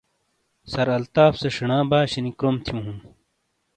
سر الطاف سے شِینا باشِینی کروم تھِیوں ہُوں۔